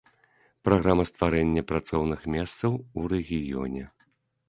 Праграма стварэння працоўных месцаў у рэгіёне.